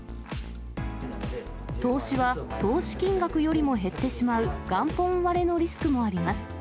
投資は投資金額よりも減ってしまう元本割れのリスクもあります。